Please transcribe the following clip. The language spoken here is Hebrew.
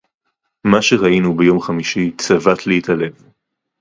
מה שראינו ביום חמישי צבט לי את הלב